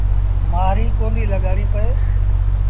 مآريٚ ڪونديٚ لڳآڻيٚ پئي۔